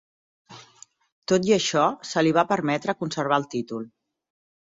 Tot i això, se li va permetre conservar el títol.